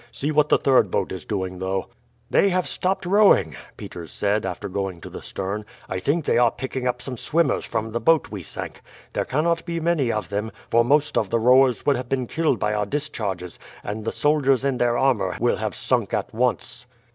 See what the third boat is doing, though." "They have stopped rowing," Peters said, after going to the stern. "I think they are picking up some swimmers from the boat we sank. There cannot be many of them, for most of the rowers would have been killed by our discharges, and the soldiers in their armour will have sunk at once."